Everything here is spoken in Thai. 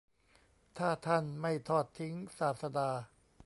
ถ้าท่านไม่ทอดทิ้งศาสดา